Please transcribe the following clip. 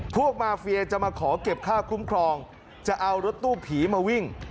พวกมาเฟียจะมาขอเก็บค่าคุ้มครองจะเอารถตู้ผีมาวิ่ง